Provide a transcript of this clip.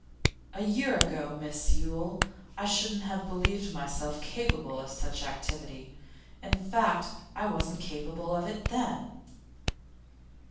'A year ago, Miss Yule, I shouldn't have believed myself capable of such activity. In fact I wasn't capable of it then.